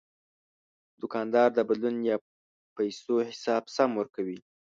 دوکاندار د بدلون یا پیسو حساب سم ورکوي.